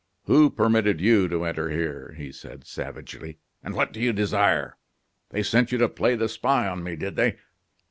"Who permitted you to enter here?" he said, savagely, "and what do you desire? They sent you to play the spy on me, did they?